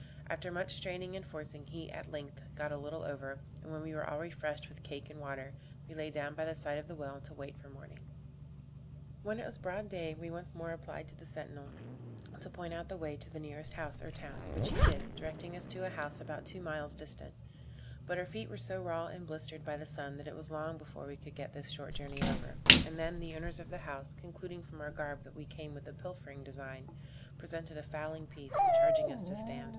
After much straining and forcing, he, at length, got a little over; and when we were all refreshed with the cake and water, we lay down by the side of the well to wait for morning. When it was broad day, we once more applied to the sentinel, to point out the way to the nearest house or town, which he did, directing us to a house about two miles distant; but our feet were so raw and blistered by the sun that it was long before we could get this short journey over; and then, the owners of the house, concluding from our garb that we came with a pilfering design, presented a fowling piece, charging us to stand.